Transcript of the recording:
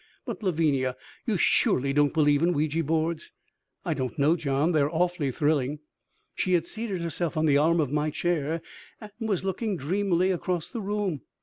"But Lavinia, you surely don't believe in Ouija boards." "I don't know, John they are awfully thrilling." She had seated herself on the arm of my chair and was looking dreamily across the room.